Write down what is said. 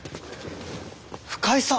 深井さん！